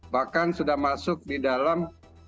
bahkan sudah masuk di dalam